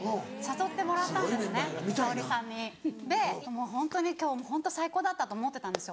もうホントに今日最高だったと思ってたんですよ。